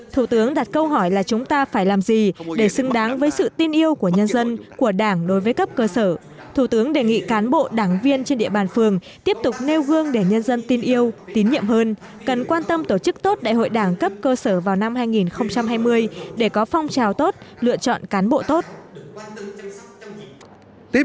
thủ tướng đặt câu hỏi là chúng ta phải làm gì để xứng đáng với sự tin yêu của nhân dân của đảng đối với cấp cơ sở thủ tướng đề nghị cán bộ đảng viên trên địa bàn phường tiếp tục nêu gương để nhân dân tin yêu tín nhiệm hơn cần quan tâm tổ chức tốt đại hội đảng cấp cơ sở vào năm hai nghìn hai mươi để có phong trào tốt lựa chọn cán bộ tốt